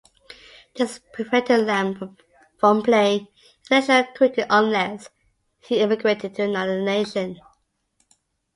This prevented Lamb from playing International cricket unless he emigrated to another nation.